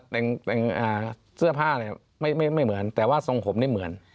แต่งเสื้อผ้าไม่เหมือนแต่ว่าส่งผมไม่เหมือน